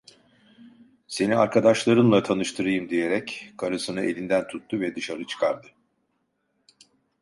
"Seni arkadaşlarımla tanıştırayım" diyerek karısını elinden tuttu ve dışarı çıkardı.